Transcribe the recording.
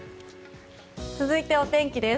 続いてはお天気です。